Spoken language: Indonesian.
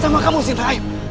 bapak sama kamu zinta